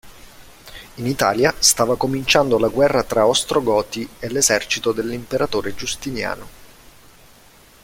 In Italia stava cominciando la guerra tra gli Ostrogoti e l'esercito dell'imperatore Giustiniano.